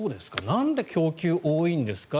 なんで供給多いんですか